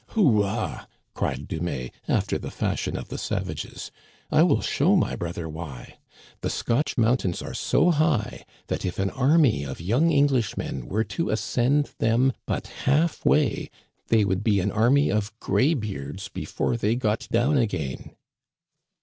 "Houa!" cried Dumais, after the fashion of the savages, "I will show my brother why. The Scotch mountains are so high that if an army of young Eng lishmen were to ascend them but half way, they would be an army of graybeards before they got down again."